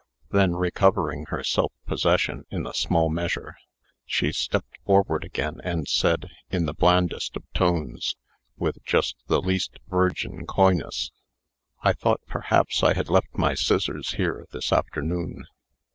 Then, recovering her self possession in a small measure, she stepped forward again, and said, in the blandest of tones, with just the least virgin coyness: "I thought perhaps I had left my scissors here this afternoon."